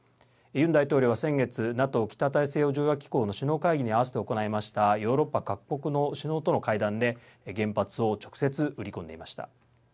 ユン大統領は、先月ＮＡＴＯ＝北大西洋条約機構の首脳会議に合わせて行いましたヨーロッパ各国の首脳との会談で原発を直接売り込んでいました。